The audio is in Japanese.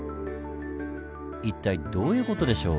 一体どういう事でしょう？